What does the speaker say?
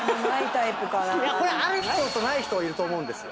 いやこれある人とない人いると思うんですよ。